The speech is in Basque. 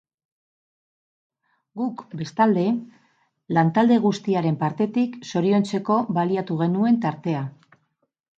Guk bestalde, lan talde guztiaren partetik zoriontzeko baliatu genuen tartea.